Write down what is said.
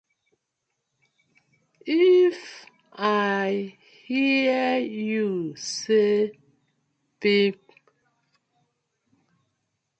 If I hear yu say pipp.